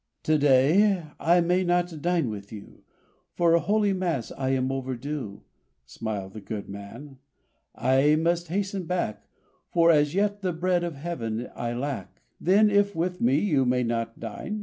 '' ^^To day I may not dine with you : For Holy Mass I am overdue," Smiled the good man, "I must hasten back, For as yet the Bread of Heaven I lack." ''Then if with me you may not dine.